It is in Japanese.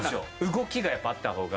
動きがやっぱあった方が。